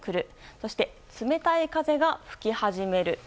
そして、冷たい風が吹き始める。